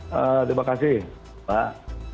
terima kasih pak